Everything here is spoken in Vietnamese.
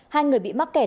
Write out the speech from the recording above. hai người bị mắc kẹt